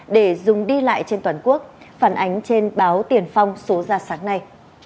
để dùng đi lại trên toàn quốc phản ánh trên báo tiền phong số ra sáng nay